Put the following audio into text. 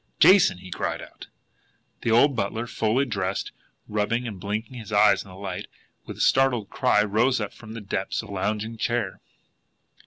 "Jason!" he cried out. The old butler, fully dressed, rubbing and blinking his eyes at the light, and with a startled cry, rose up from the depths of a lounging chair.